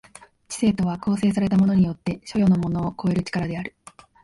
知性とは構成されたものによって所与のものを超える力である。